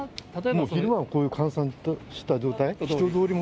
昼間はこういう閑散とした状態。